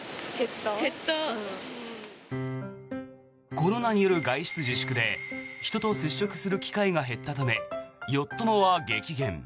コロナによる外出自粛で人と接触する機会が減ったためよっ友は激減。